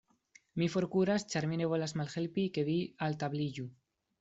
Mi forkuras; ĉar mi ne volas malhelpi, ke vi altabliĝu.